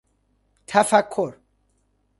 تفکر